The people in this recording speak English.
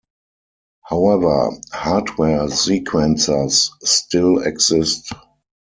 However, hardware sequencers still exist.